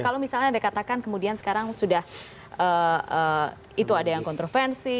kalau misalnya anda katakan kemudian sekarang sudah itu ada yang kontroversi